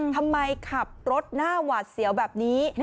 ขับรถหน้าหวาดเสียวแบบนี้